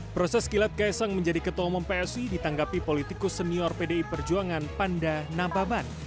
proses kilat kaisang menjadi ketua umum psi ditanggapi politikus senior pdi perjuangan panda nababan